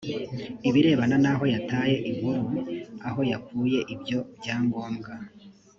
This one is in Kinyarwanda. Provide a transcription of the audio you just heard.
ibirebana n aho yataye inkuru aho yakuye ibyo byangombwa